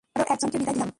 আরো একজনকে বিদায় দিলাম।